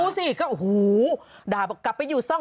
ก็เอ้าหู้ด่ากลับไปอยู่ซ่อง